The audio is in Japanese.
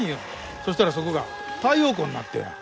そしたらそこが太陽光になったんや。